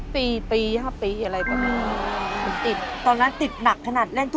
เรียกแม่เสี่ยงดังเลยค่ะหน้าบ้าน